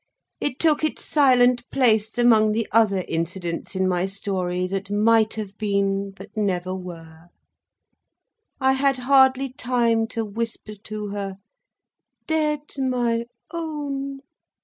It took its silent place among the other incidents in my story that might have been, but never were. I had hardly time to whisper to her "Dead my own!"